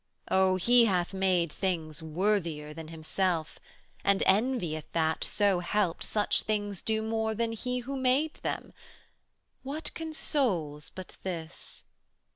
Oh, He hath made things worthier than Himself, And envieth that, so helped, such things do more Than He who made them! What consoles but this?